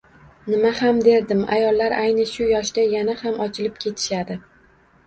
Nima ham derdim, ayollar ayni shu yoshda yana ham ochilib ketishadi